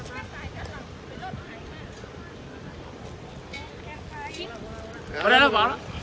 สวัสดีครับ